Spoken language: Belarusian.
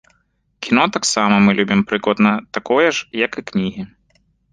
Кіно таксама мы любім прыкладна такое ж, як і кнігі.